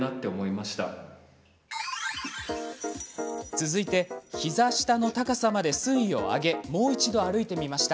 続いて膝下の高さまで水位を上げもう一度歩いてみました。